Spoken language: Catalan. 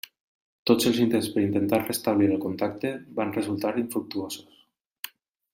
Tots els intents per intentar restablir el contacte van resultar infructuosos.